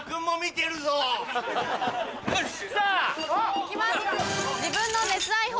行きます。